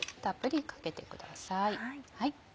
たっぷりかけてください。